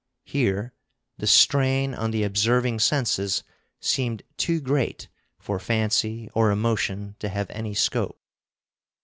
Here the strain on the observing senses seemed too great for fancy or emotion to have any scope.